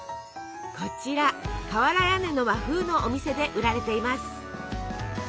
こちら瓦屋根の和風のお店で売られています。